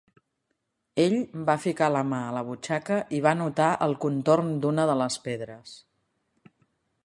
Ell va ficar la mà a la butxaca i va notar el contorn d'una de les pedres.